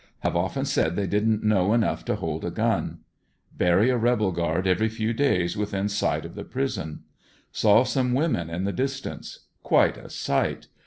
Have often said they didn't know enough to holi a gun. Bury a rebel guard every few days within sight of the prison Saw some women in the distance. Quite a sight.